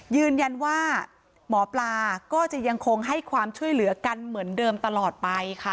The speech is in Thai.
ยืนยันว่าหมอปลาก็จะยังคงให้ความช่วยเหลือกันเหมือนเดิมตลอดไปค่ะ